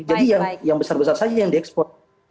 jadi yang besar besar saja yang diekspos